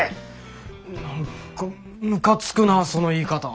何かむかつくなその言い方。